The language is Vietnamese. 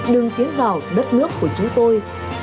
đừng tiến vào đất nước của chúng tôi